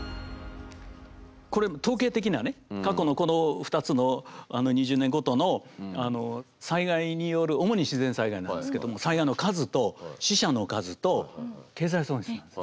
これ統計的な過去の２つの２０年ごとの災害による主に自然災害なんですけども災害の数と死者の数と経済損失なんです。